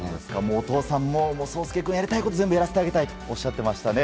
お父さんも颯亮君がやりたいことは全部やらせてあげたいとおっしゃっていましたね。